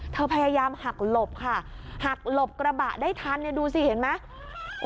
พยายามหักหลบค่ะหักหลบกระบะได้ทันเนี่ยดูสิเห็นไหม